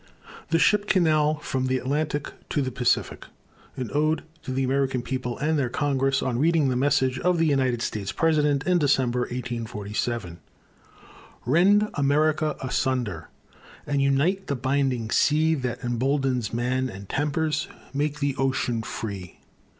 THE SHIP CANAL FROM THE ATLANTIC TO THE PACIFIC AN ODE TO THE AMERICAN PEOPLE AND THEIR CONGRESS, ON READING THE MESSAGE OF THE UNITED STATES PRESIDENT IN DECEMBER, 1847 Rend America asunder And unite the Binding Sea That emboldens man and tempers Make the ocean free.